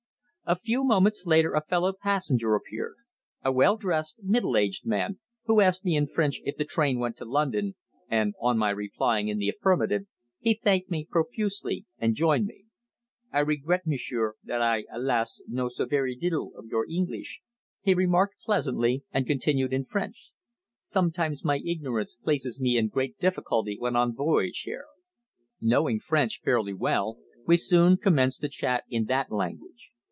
A few moments later a fellow passenger appeared, a well dressed, middle aged man, who asked me in French if the train went to London, and on my replying in the affirmative, he thanked me profusely and joined me. "I regret, m'sieur, that I, alas! know so very leetle of your Engleesh," he remarked pleasantly, and continued in French: "Sometimes my ignorance places me in great difficulty when en voyage here." Knowing French fairly well we soon commenced to chat in that language.